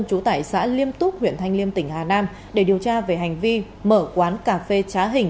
trú tại xã liêm túc huyện thanh liêm tỉnh hà nam để điều tra về hành vi mở quán cà phê trá hình